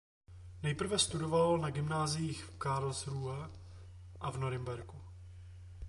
Nejprve studoval na gymnáziích v Karlsruhe a v Norimberku.